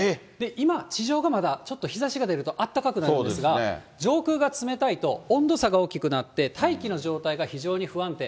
今、地上がまだちょっと日ざしが出ると暖かくなるんですが、上空が冷たいと、温度差が大きくなって、大気の状態が非常に不安定。